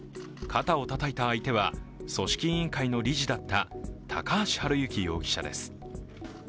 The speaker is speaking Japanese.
肩をたたいた相手は組織委員会の理事だった高橋治之容疑者です。